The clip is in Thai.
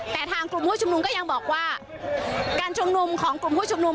แต่ทางกลุ่มผู้ชุมนุมก็ยังบอกว่าการชุมนุมของกลุ่มผู้ชุมนุม